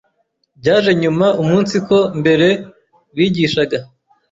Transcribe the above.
byaje nyuma umunsiko mbere bigishaga